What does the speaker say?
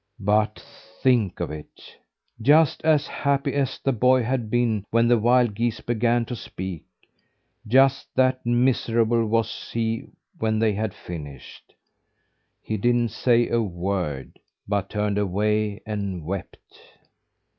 But think of it! Just as happy as the boy had been when the wild geese began to speak, just that miserable was he when they had finished. He didn't say a word, but turned away and wept.